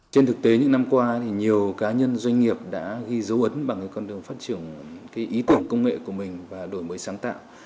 trên thực tế những năm qua thì nhiều cá nhân doanh nghiệp đã ghi dấu ấn bằng con đường phát triển ý tưởng công nghệ của mình và đổi mới sáng tạo